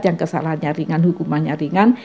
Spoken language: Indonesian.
yang kesalahannya ringan hukumannya ringan